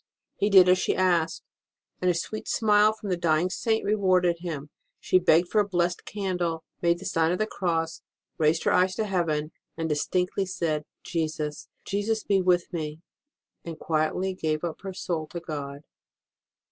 He did as she asked, and a sweet smile from the dying Saint rewarded him. She begged for a blessed candle, made the sign of the Cross, raised her eyes to heaven, said distinctly Jesus ! Jesus! be with me ! and quietly gave up her soul to God.